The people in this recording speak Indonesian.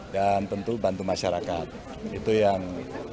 dan tentu bantu masyarakat itu yang